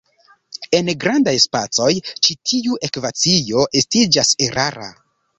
En grandaj spacoj, ĉi tiu ekvacio estiĝas erara.